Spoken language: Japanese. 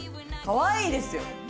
かわいいですよ！